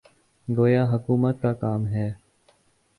گویا حکومت کا کام ہے۔